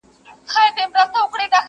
خُم ته یو راغلي په دمدار اعتبار مه کوه٫